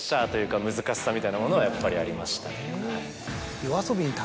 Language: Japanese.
みたいなものはやっぱりありましたね。